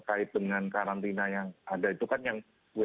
tapi ini kb selalu melihat laporan dari masyarakat itu dengan sangat serius ya